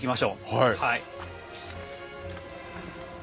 はい。